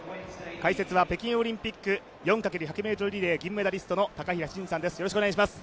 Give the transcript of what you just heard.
解説は北京オリンピック４×１００ｍリレー銀メダリストの高平慎士さんです。